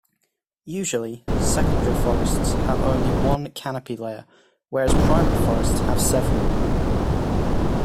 Usually, secondary forests have only one canopy layer, whereas primary forests have several.